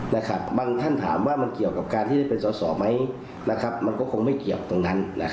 บางท่านถามว่ามันเกี่ยวกับการที่ได้เป็นสอสอไหมมันก็คงไม่เกี่ยวตรงนั้น